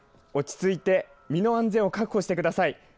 落ち着いて身の安全を確保してください。